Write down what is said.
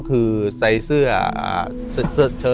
คือใส่เสื้อเสื้อเชิร์ดนะครับ